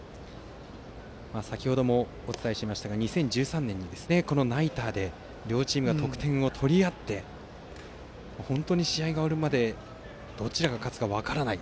先程もお伝えしましたが２０１３年にも、ナイターで両チームが得点を取り合って本当に試合が終わるまでどちらが勝つか分からない